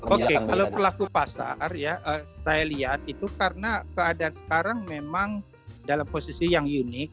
oke kalau pelaku pasar ya saya lihat itu karena keadaan sekarang memang dalam posisi yang unik